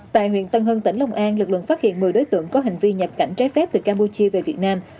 tại huyện tân hưng tỉnh long an lực lượng phát hiện một mươi đối tượng có hành vi nhập cảnh trái phép từ campuchia về việt nam